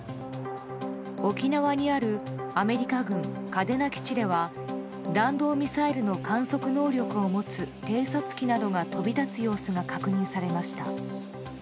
沖縄にあるアメリカ軍嘉手納基地では弾道ミサイルの観測能力を持つ偵察機などが飛び立つ様子が確認されました。